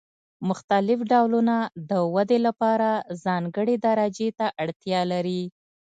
مختلف ډولونه د ودې لپاره ځانګړې درجې ته اړتیا لري.